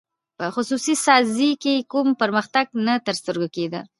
په خصوصي سازۍ کې کوم پرمختګ نه تر سترګو کېده.